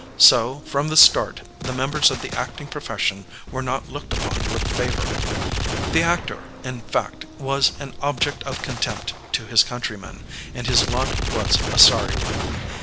So, from the start the members of the acting profession were not looked upon with favor. The actor, in fact, was an object of contempt to his countrymen, and his lot was a sorry one.